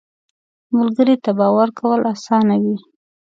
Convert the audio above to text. ملګری ته باور کول اسانه وي